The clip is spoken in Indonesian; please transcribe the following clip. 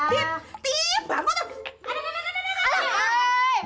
aduh enggak enggak enggak